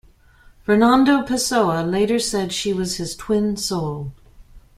Fernando Pessoa later said she was his "twin soul".